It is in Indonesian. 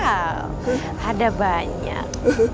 wow ada banyak